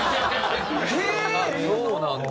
そうなんだ。